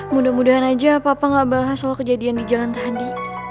mudah mudahan aja papa gak bahas soal kejadian di jalan tadi